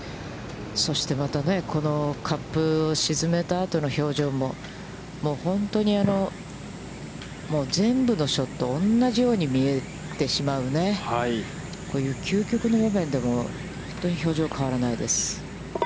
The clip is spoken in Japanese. そしてこのカップを沈めたあとの表情も、もう本当に、もう全部のショットを同じように見えてしまうという、究極の場面でも、本当に表情が変わらないです。